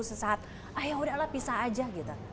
sesaat ah yaudahlah pisah aja gitu